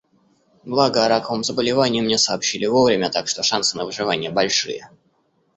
Благо, о раковом заболевании мне сообщили вовремя, так что шансы на выживание большие.